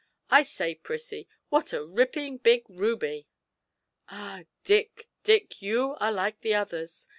'I say, Prissie, what a ripping big ruby!' 'Ah, Dick, Dick, you are like the others!